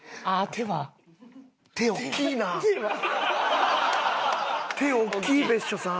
手大きい別所さん。